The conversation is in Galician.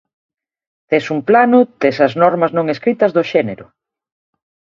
Tes un plano, tes as normas non escritas do xénero.